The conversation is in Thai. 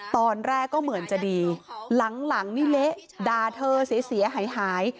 ตอนแรกก็เหมือนจะดีหลังนี่เละด่าเธอเสียหายหาย